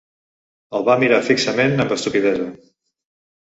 El va mirar fixament amb estupidesa.